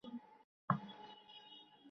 প্রিয়ে, এগুলো এক ব্যাপার না।